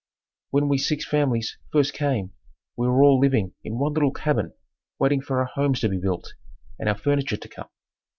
When we six families first came we were all living in one little cabin waiting for our homes to be built and our furniture to come.